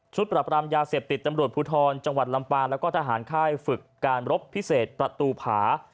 ปรับรามยาเสพติดตำรวจภูทรจังหวัดลำปางแล้วก็ทหารค่ายฝึกการรบพิเศษประตูผา